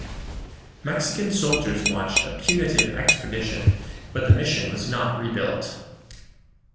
Mexican soldiers launched a punitive expedition, but the mission was not rebuilt.